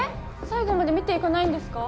最後まで見ていかないんですか？